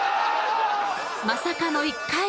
［まさかの１回！］